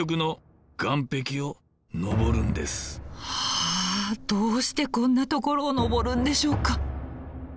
はあどうしてこんなところを登るんでしょうか。